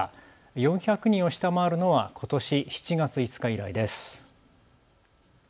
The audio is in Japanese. ４００人を下回るのはことし７月５日以来です。